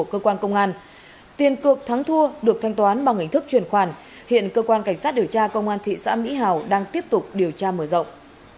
cơ quan cảnh sát điều tra công an thị xã mỹ hào đang tiếp tục điều tra mở rộng